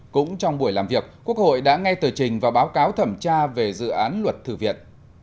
cũng trong buổi làm việc quốc hội đã nghe tờ trình và báo cáo thẩm tra về dự án luật thư viện